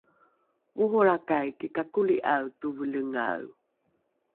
oholrakai kikakoli’are tovelengae